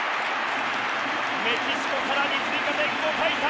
メキシコ更に追加点５対３。